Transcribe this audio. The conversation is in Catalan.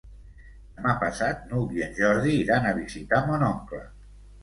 Demà passat n'Hug i en Jordi iran a visitar mon oncle.